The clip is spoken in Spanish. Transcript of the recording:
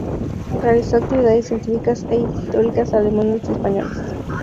Realizó actividades científicas en historia alemana y española.